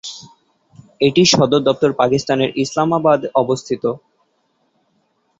এটির সদর দপ্তর পাকিস্তানের ইসলামাবাদ অবস্থিত।